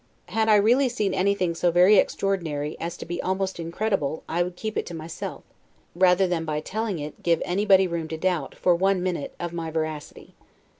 Had I really seen anything so very extraordinary as to be almost incredible I would keep it to myself, rather than by telling it give anybody room to doubt, for one minute, of my veracity.